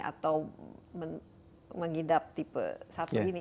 atau mengidap tipe satu ini